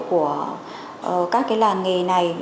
của các cái làn nghề này